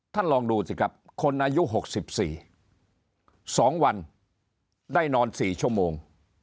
ลองดูสิครับคนอายุ๖๔๒วันได้นอน๔ชั่วโมง